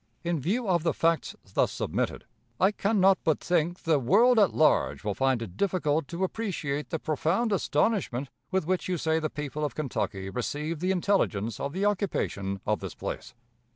"In view of the facts thus submitted, I can not but think the world at large will find it difficult to appreciate the 'profound astonishment' with which you say the people of Kentucky received the intelligence of the occupation of this place.